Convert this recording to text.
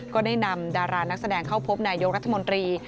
ก็ได้นำดารานักแสดงเข้าพบนายกรัฐมนตรี